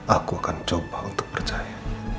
aku akan coba untuk percaya